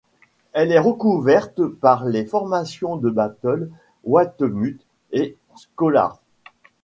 Elle est recouverte par les formations de Battle, Whitemud et Scollard.